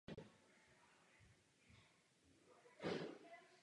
Naši jižní sousedé musí rovněž těsněji navzájem spolupracovat.